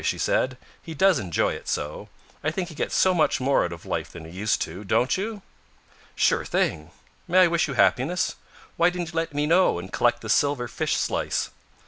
she said. "He does enjoy it so. I think he gets so much more out of life than he used to, don't you?" "Sure thing. May I wish you happiness? Why didn't you let me know and collect the silver fish slice?"